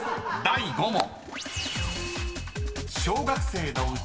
第５問］